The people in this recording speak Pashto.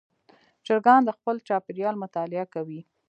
چرګان د خپل چاپېریال مطالعه کوي.